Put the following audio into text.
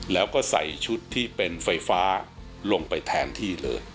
แล้วก็ใส่ชุดที่เป็นไฟฟ้าลงไปแทนที่เลย